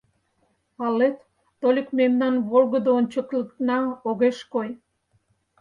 Палет, тольык мемнан волгыдо ончыклыкна огеш кой.